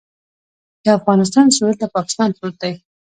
د افغانستان سویل ته پاکستان پروت دی